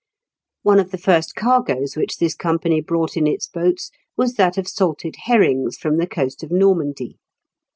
One of the first cargoes which this company brought in its boats was that of salted herrings from the coast of Normandy.